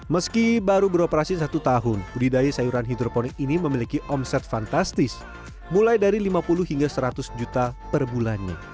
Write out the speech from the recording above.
meski baru beroperasi satu tahun budidaya sayuran hidroponik ini memiliki omset fantastis mulai dari lima puluh hingga seratus juta per bulannya